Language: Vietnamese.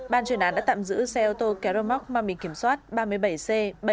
ban chuyển án đã tạm giữ xe ô tô kéo đôi móc mang mình kiểm soát ba mươi bảy c bảy nghìn năm trăm một mươi hai